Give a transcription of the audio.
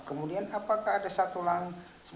kemudian apakah ada satu langkah